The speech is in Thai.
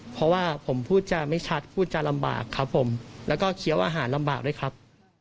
เพราะว่าผมพูดจาไม่ชัดพูดจะลำบากครับผมแล้วก็เคี้ยวอาหารลำบากด้วยครับ